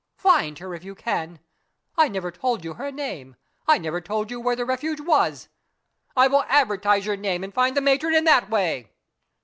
"Find her, if you can. I never told you her name. I never told you where the Refuge was." "I will advertise your name, and find the matron in that way."